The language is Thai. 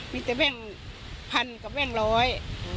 มีแต่แบ่งพันกับแบงร้อย